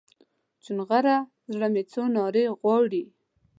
چونغره زړه مې څو نارې غواړي